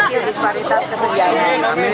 untuk menghasilkan disparitas kesejahteraan